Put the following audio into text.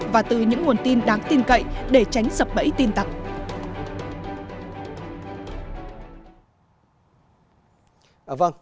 và từ những nguồn tin đáng tin cậy để tránh sập bẫy tin tặc